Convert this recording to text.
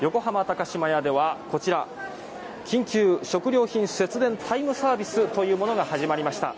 高島屋ではこちら、緊急食料品節電タイムサービスというものが始まりました。